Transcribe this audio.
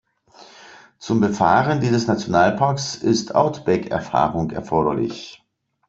Zum Befahren dieses Nationalparks ist Outback-Erfahrung erforderlich.